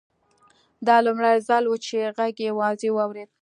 دا لومړی ځل و چې غږ یې واضح واورېد